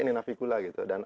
ini navikula gitu dan